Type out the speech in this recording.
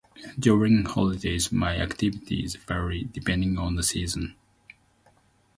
During holidays, my activities vary depending on the season.